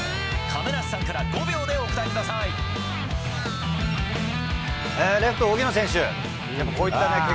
亀梨さんから５秒でお答えくださレフト、荻野選手。